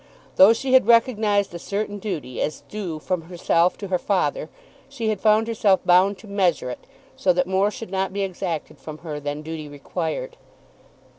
Though she had recognised a certain duty, as due from herself to her father, she had found herself bound to measure it, so that more should not be exacted from her than duty required.